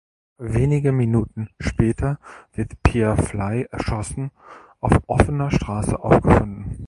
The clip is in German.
Wenige Minuten später wird Pierre Fley erschossen auf offener Straße aufgefunden.